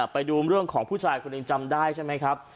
ไปดูเรื่องของผู้ชายคนหนึ่งจำได้ใช่ไหมครับ